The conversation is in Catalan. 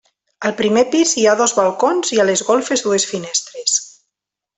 Al primer pis hi ha dos balcons i a les golfes dues finestres.